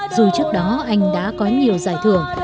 dù trước đó anh đã có nhiều giải thưởng